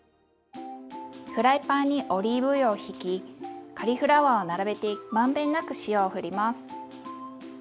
フライパンにオリーブ油をひきカリフラワーを並べて満遍なく塩をふります。